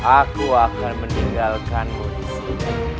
aku akan meninggalkanmu disini